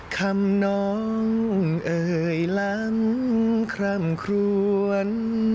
คำน้องเอ่ยล้ำคร่ำครวน